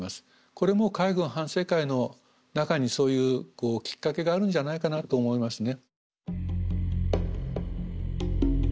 これも海軍反省会の中にそういうきっかけがあるんじゃないかなと思いますね。